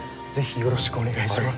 よろしくお願いします。